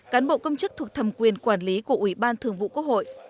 cán bộ công chức thuộc thầm quyền quản lý của ubthqh